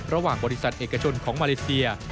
ระหว่างบริษัทเอกชนของมาเลเซีย